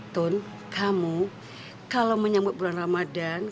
tun kamu kalau menyambut bulan ramadhan